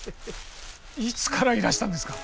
いつからいらしたんですか？